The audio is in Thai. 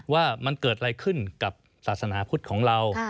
ว่ามันเกิดอะไรขึ้นกับศาสนาพุทธของเรา